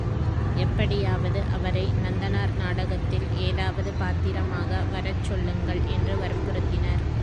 எப்படியாவது அவரை நந்தனார் நாடகத்தில் ஏதாவது பாத்திரமாக வரச் சொல்லுங்கள் என்று வற்புறுத்தினர்.